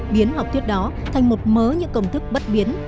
biến học thuyết đó thành một mớ những công thức bất biến